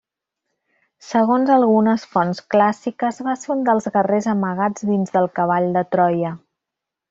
Segons algunes fonts clàssiques, va ser un dels guerrers amagats dins del Cavall de Troia.